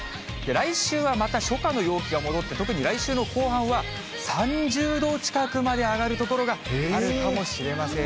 来週は、また初夏の陽気が戻って、特に来週の後半は、３０度近くまで上がる所があるかもしれません。